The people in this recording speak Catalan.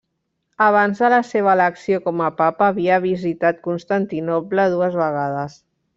Abans de la seva elecció com a papa, havia visitat Constantinoble dues vegades.